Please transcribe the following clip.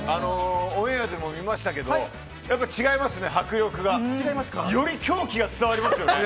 オンエアでも見ましたけどやっぱり違いますね、迫力が。より狂気が伝わりますよね